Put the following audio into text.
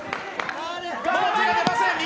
もう手が出ません。